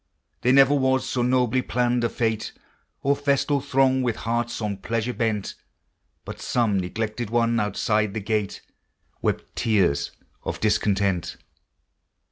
There never was so nobly planned a fête, Or festal throng with hearts on pleasure bent, But some neglected one outside the gate Wept tears of discontent.